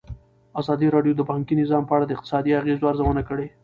ازادي راډیو د بانکي نظام په اړه د اقتصادي اغېزو ارزونه کړې.